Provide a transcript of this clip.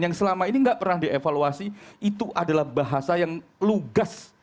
yang selama ini nggak pernah dievaluasi itu adalah bahasa yang lugas